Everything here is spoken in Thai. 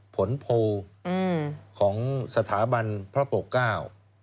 ผลโพลของสถาบันพระปกเก้า